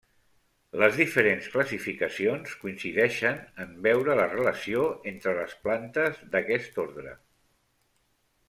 Les diferents classificacions coincideixen en veure la relació entre les plantes d'aquest ordre.